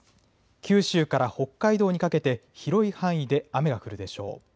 九州から北海道にかけて広い範囲で雨が降るでしょう。